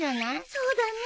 そうだね。